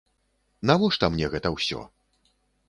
Навошта мне гэта ўсё?